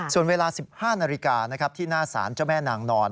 ส่วนเวลา๑๕นาฬิกาที่หน้าศาลเจ้าแม่นางนอน